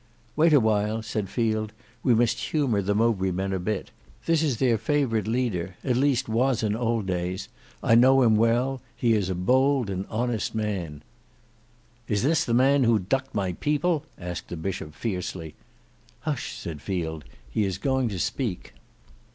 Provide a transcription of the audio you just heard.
"Wait awhile," said Field, "we must humour the Mowbray men a bit. This is their favourite leader, at least was in old days. I know him well; he is a bold and honest man." "Is this the man who ducked my people?" asked the Bishop fiercely. "Hush!" said Field; "he is going to speak."